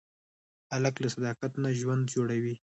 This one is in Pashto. هلک له صداقت نه ژوند جوړوي.